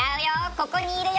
ここにいるよ。